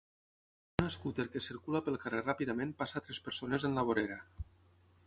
Un escúter que circula pel carrer ràpidament passa a tres persones en la vorera.